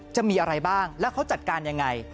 จะมีอะไรบ้างแล้วเขาจัดการยังไง